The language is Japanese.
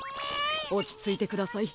おちついてください。